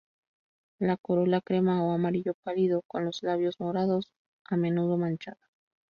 La corolla crema o amarillo pálido, con los labios morados a menudo manchadas.